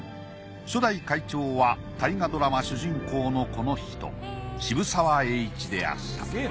初代会長は大河ドラマ主人公のこの人渋沢栄一であった。